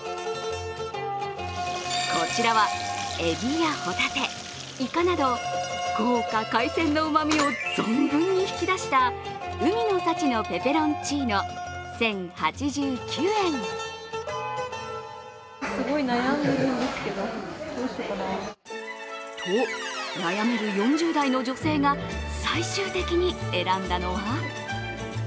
こちらは、えびや帆立て、いかなど、豪華海鮮のうまみを存分に引き出した海の幸のペペロンチーノ、１０８９円。と、悩める４０代の女性が最終的に選んだのは？